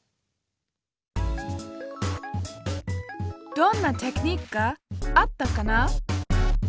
どんなテクニックがあったかな？